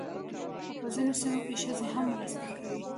خو په ځینو سیمو کې ښځې هم مرسته کوي.